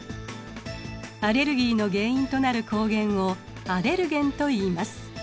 アレルギーの原因となる抗原をアレルゲンといいます。